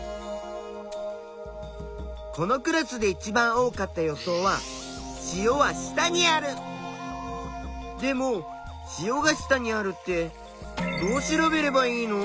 このクラスでいちばん多かった予想はでも「塩が下にある」ってどう調べればいいの？